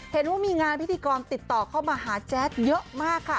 เห็นว่ามีงานพิธีกรติดต่อเข้ามาหาแจ๊ดเยอะมากค่ะ